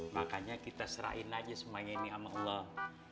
makanya kita serahin aja semuanya ini sama allah